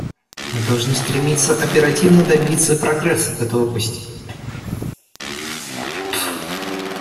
Мы должны стремиться оперативно добиться прогресса в этой области.